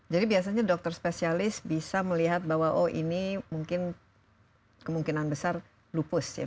jadi biasanya dokter spesialis bisa melihat bahwa oh ini mungkin kemungkinan besar lupus ya